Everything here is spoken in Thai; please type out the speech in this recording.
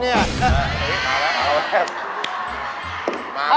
เออเฮ้ยมาแล้วมาแล้ว